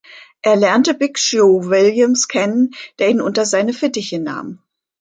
Er lernte Big Joe Williams kennen, der ihn unter seine Fittiche nahm.